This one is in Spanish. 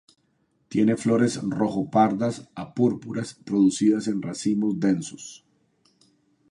Tiene flores rojo-pardas a púrpuras, producidas en racimos densos.